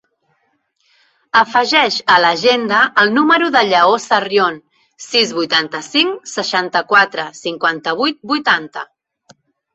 Afegeix a l'agenda el número del Lleó Sarrion: sis, vuitanta-cinc, seixanta-quatre, cinquanta-vuit, vuitanta.